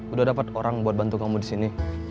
udah dapet orang buat bantu kamu disini